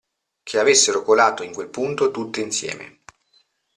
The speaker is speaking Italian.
Che avessero colato in quel punto tutte insieme.